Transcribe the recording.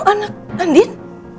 sekarang ada sama andin